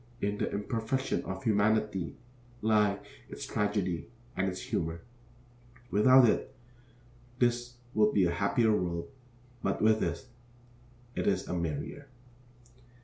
In the imperfection of humanity lie its tragedy and its humor. Without it, this would be a happier world; but with it, it is a merrier.